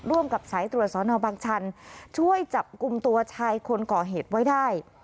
ร่วมกับสายตรวจสอนอบังชันช่วยจับกลุ่มตัวชายคนก่อเหตุไว้ได้